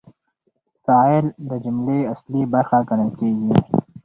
فاعل د جملې اصلي برخه ګڼل کیږي.